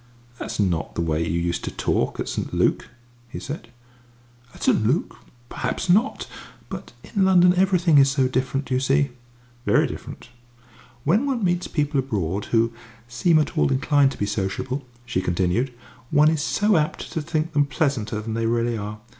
"That is not the way you used to talk at St. Luc!" he said. "At St. Luc? Perhaps not. But in London everything is so different, you see." "Very different." "When one meets people abroad who who seem at all inclined to be sociable," she continued, "one is so apt to think them pleasanter than they really are.